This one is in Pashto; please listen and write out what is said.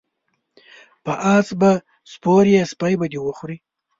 په اس به سپور یی سپی به دی وخوري